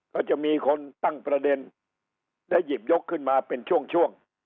ก็จะมีคนตั้งประเด็นได้หยิบยกขึ้นมาเป็นช่วง